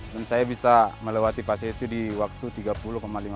dan saya bisa melewati papac itu di waktu tiga puluh lima puluh lima